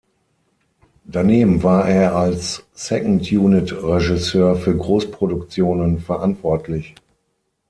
Daneben war er als Second-Unit-Regisseur für Großproduktionen verantwortlich.